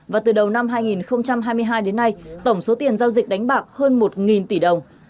và từ đầu năm hai nghìn hai mươi hai đến nay tổng số tiền giao dịch đánh bạc hơn một tỷ đồng